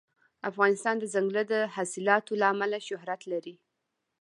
افغانستان د دځنګل حاصلات له امله شهرت لري.